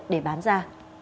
để bán ra